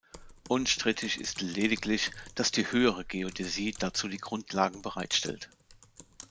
Unstrittig ist lediglich, dass die Höhere Geodäsie dazu die Grundlagen bereitstellt.